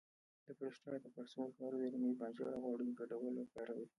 د پروستات د پړسوب لپاره د رومي بانجان او غوړیو ګډول وکاروئ